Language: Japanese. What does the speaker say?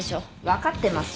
分かってます